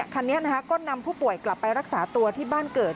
คันนี้ก็นำผู้ป่วยกลับไปรักษาตัวที่บ้านเกิด